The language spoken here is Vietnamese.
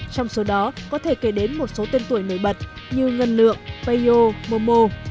trong số đó có thể kể đến một số tên tuổi nổi bật như ngân lượng payo momo